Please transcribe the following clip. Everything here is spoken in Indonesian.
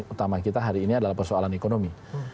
utama kita hari ini adalah persoalan ekonomi